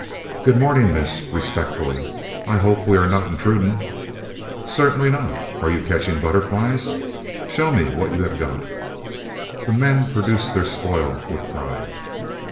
"Good morning, miss," respectfully; "I hope we are not intrudin'." "Certainly not. Are you catching butterflies? Show me what you have got." The men produced their spoil with pride.